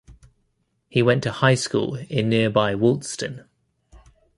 He went to high school in nearby Wolsztyn.